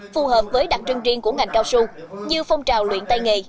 phù hợp với đặc trưng riêng của ngành cao su như phong trào luyện tay nghề